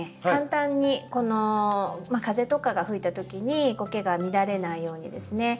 簡単に風とかが吹いた時にコケが乱れないようにですね